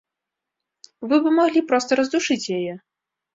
Вы бы маглі проста раздушыць яе.